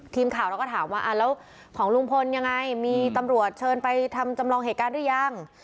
ทีมข่าวเราก็ถามว่าแล้วของลุงพลยังไงมีตำรวจเชิญไปทำจำลองเหตุการณ์หรือยัง